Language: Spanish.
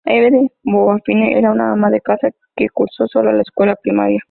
Hebe de Bonafini era una ama de casa que cursó solo la escuela primaria.